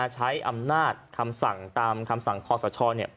ใช้อำนาจคำสั่งตามคำสั่งคอสช